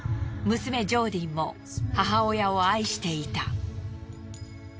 娘ジョーディンも母親を愛していた。